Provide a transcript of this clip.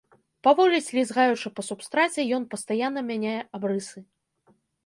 Паволі слізгаючы па субстраце, ён пастаянна мяняе абрысы.